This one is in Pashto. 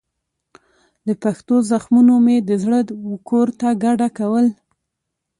د پښو زخمونو مې د زړه وکور ته کډه کول